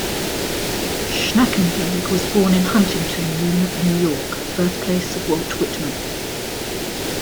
Schnakenberg was born in Huntington, New York, birthplace of Walt Whitman.